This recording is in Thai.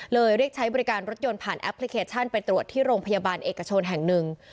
เรียกใช้บริการรถยนต์ผ่านแอปพลิเคชันไปตรวจที่โรงพยาบาลเอกชนแห่งหนึ่ง